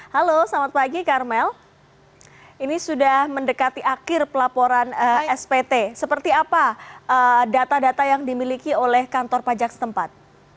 halo selamat pagi karmel ini sudah mendekati akhir pelaporan spt seperti apa data data yang dimiliki oleh kantor pajak setempat